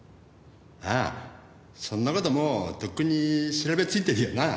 ああそんな事もうとっくに調べついてるよなぁ。